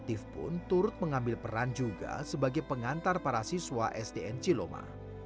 aktif pun turut mengambil peran juga sebagai pengantar para siswa sdn ciloma